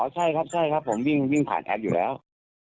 อ๋อใช่ครับผมวิ่งผ่านแอ็กซ์อยู่แล้ว